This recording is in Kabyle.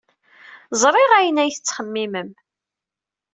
Ẓriɣ ayen ay tettxemmimem.